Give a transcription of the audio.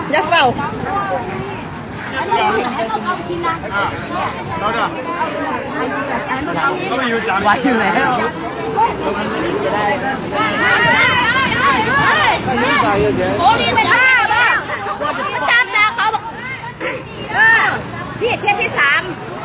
ยักษ์เปล่า